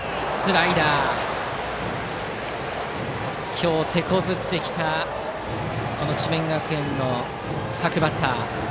今日、てこずってきた智弁学園の各バッター。